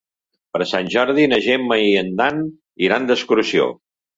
Per Sant Jordi na Gemma i en Dan iran d'excursió.